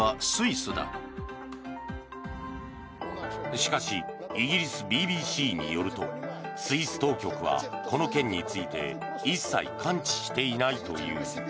しかしイギリスＢＢＣによるとスイス当局は、この件について一切関知していないという。